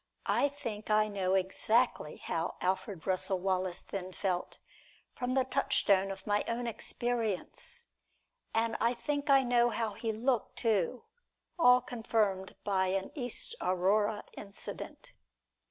I think I know exactly how Alfred Russel Wallace then felt, from the touchstone of my own experience; and I think I know how he looked, too, all confirmed by an East Aurora incident.